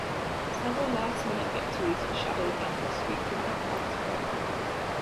Several last-minute victories foreshadowed that her streak would not last forever.